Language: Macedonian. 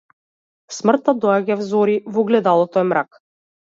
Смртта доаѓа взори, во огледалото е мрак.